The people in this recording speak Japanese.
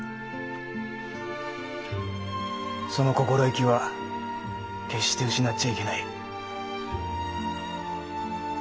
その心意気は決して失っちゃいけない。